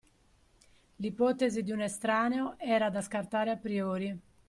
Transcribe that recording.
L'ipotesi di un estraneo era da scartare a priori.